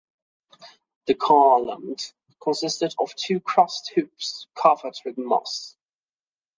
The garland consisted of two crossed hoops covered with moss.